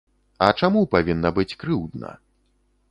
А чаму павінна быць крыўдна?